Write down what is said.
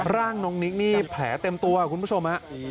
ร่างน้องนิกนี่แผลเต็มตัวคุณผู้ชมฮะ